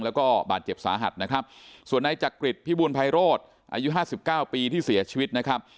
แล้วก็บาดเจ็บสาหัสนะครับส่วนในจักริตพี่บูลไพโรดอายุ๕๙ปีที่เสียชีวิตนะครับ